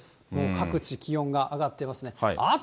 各地、気温が上がってますね。